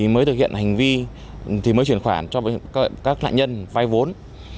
mới thực hiện hành vi mới truyền khoản cho các nạn nhân vai vốn